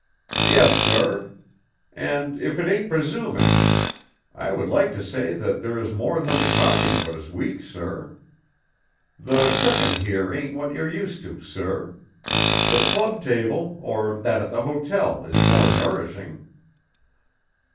"Yes, sir. And if it ain't presuming, I would like to say that there is more than the coffee what is weak, sir. The cookin' here ain't what you're used to, sir. The club table, or that at the hotel, is more nourishing."